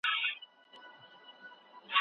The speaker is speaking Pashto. ترحم پر ځای درناوی پکار دی.